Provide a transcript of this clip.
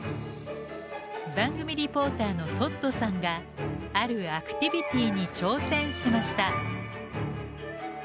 番組リポーターのトッドさんがあるアクティビティーに挑戦しました。